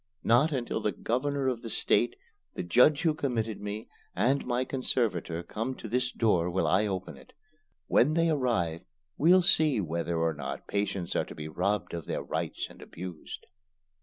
Not until the Governor of the State, the judge who committed me, and my conservator come to this door will I open it. When they arrive, we'll see whether or not patients are to be robbed of their rights and abused."